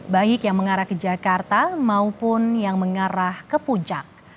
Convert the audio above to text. baik yang mengarah ke jakarta maupun yang mengarah ke puncak